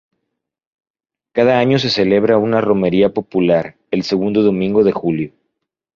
Cada año se celebra una romería popular, el segundo domingo de julio.